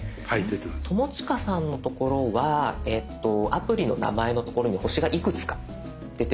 友近さんのところはアプリの名前のところに星がいくつか出てると思うんです。